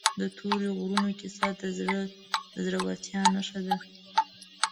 د تورې غرونو کیسه د زړه ورتیا نښه ده.